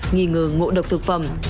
nghi ngờ ngộ độc thực phẩm